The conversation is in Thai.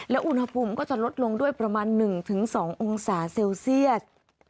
และอุณหภูมิก็จะลดลงด้วยประมาณ๑๒องศาเซลเซียส